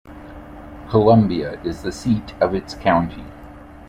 Columbia is the seat of its county.